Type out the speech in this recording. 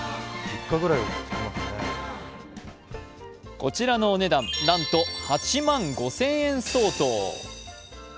こちらのお値段なんと８万５０００円相当。